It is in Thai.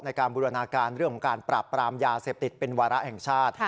การบูรณาการเรื่องของการปราบปรามยาเสพติดเป็นวาระแห่งชาติ